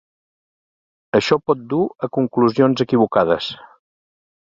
Això pot dur a conclusions equivocades.